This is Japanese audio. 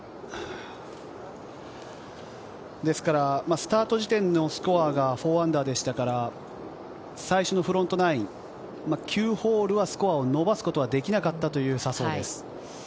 ですから、スタート時点のスコアが−４でしたから、最初のフロント９、９ホールはスコアを伸ばすことができなかったという笹生です。